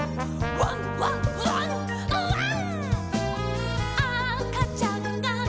「ワンワンワンワン」